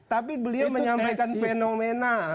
tapi beliau menyampaikan fenomena